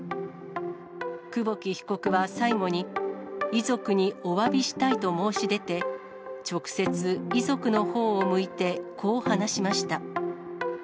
久保木被告は最後に、遺族におわびしたいと申し出て、直接、遺族のほうを向いてこう話しました。